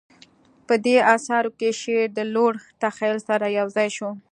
په دې اثارو کې شعر د لوړ تخیل سره یوځای شو